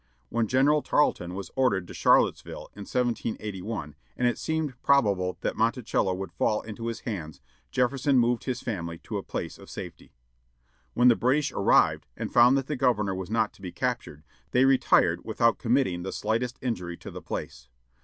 When General Tarlton was ordered to Charlottesville, in 1781, and it seemed probable that Monticello would fall into his hands, Jefferson moved his family to a place of safety. When the British arrived, and found that the governor was not to be captured, they retired without committing the slightest injury to the place.